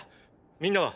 みんなは？